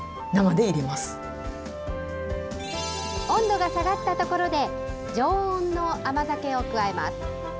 温度が下がったところで常温の甘酒を加えます。